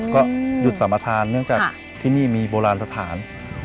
ก็หยุดสัมประธานเนื่องจากที่นี่มีโบราณสถาน